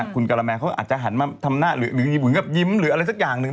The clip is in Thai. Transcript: คุณกะละแมเขาอาจจะหันมาทำหน้าหรือเหมือนกับยิ้มหรืออะไรสักอย่างหนึ่ง